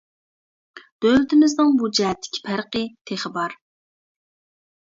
دۆلىتىمىزنىڭ بۇ جەھەتتىكى پەرقى تېخى بار.